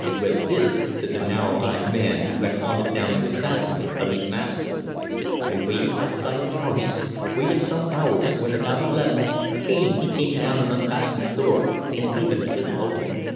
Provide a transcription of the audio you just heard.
"Well, this," said the narrow eyed man who had hunted down the assassin of his master. "I waited outside the house waited some hours when about eleven Cane he came down and unfastened the door and leave it a little open.